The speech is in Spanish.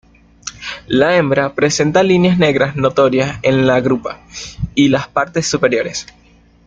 La hembra presenta líneas negras notorias en la grupa y las partes superiores.